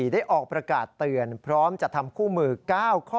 ได้ออกประกาศเตือนพร้อมจะทำคู่มือ๙ข้อ